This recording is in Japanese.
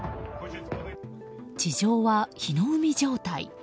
地上は火の海状態。